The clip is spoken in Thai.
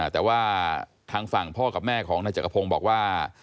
แต่ว่าทางฝั่งพ่อกับแม่ของนายจักรพงศ์บอกว่า